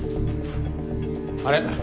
あれ？